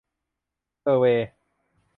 เซอร์เวย์